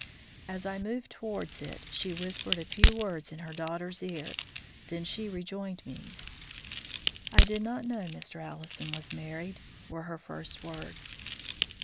As I moved towards it she whispered a few words in her daughter's ear, then she rejoined me. "I did not know Mr. Allison was married," were her first words.